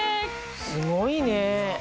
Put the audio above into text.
すごいね。